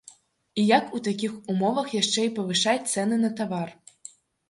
І як у такіх умовах яшчэ і павышаць цэны на тавар?